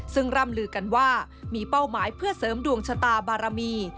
ซึ่งร่ำลือกันว่ามีเป้าหมายเพื่อเสริมดวงชะตาบารมี